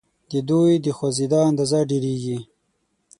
د دوی د خوځیدو اندازه ډیریږي.